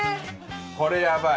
これやばい！